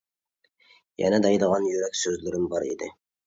يەنە دەيدىغان يۈرەك سۆزلىرىم بار ئىدى.